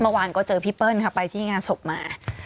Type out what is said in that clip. เมื่อวานก็เจอพี่เปิ้ลค่ะไปที่งานศพมา